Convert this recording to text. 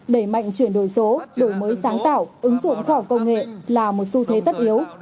đẩy mạnh chuyển đổi số đổi mới sáng tạo ứng dụng khoa học công nghệ là một xu thế tất yếu